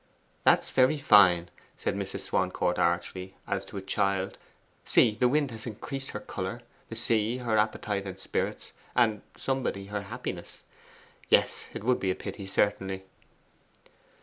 'That's very fine,' said Mrs. Swancourt archly, as to a child. 'See, the wind has increased her colour, the sea her appetite and spirits, and somebody her happiness. Yes, it would be a pity, certainly.